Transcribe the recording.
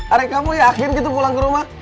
adik kamu yakin gitu pulang ke rumah